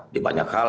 di banyak hal